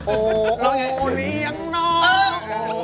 โอโอเดียงนอก